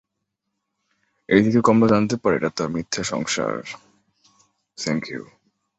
এদিকে কমলা জানতে পারে এটা তার মিথ্যে সংসার।